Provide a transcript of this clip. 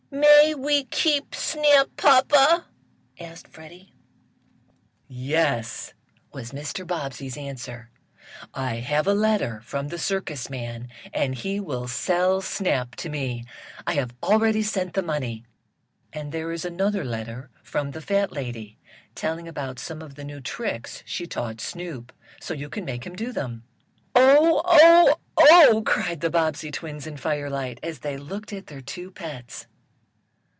"May we keep Snap, papa?" asked Freddie. "Yes," was Mr. Bobbsey's answer. "I have a letter from the circus man, and he will sell Snap to me. I have already sent the money. And there is another letter from the fat lady, telling about some of the new tricks she taught Snoop, so you can make him do them." "Oh! Oh! Oh!" cried the Bobbsey twins in firelight, as they looked at their two pets.